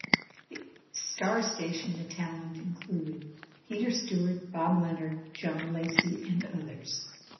On StarStation the talent included: Peter Stewart, Bob Leonard, John Lacy, and others.